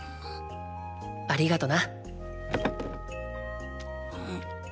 ありがとな。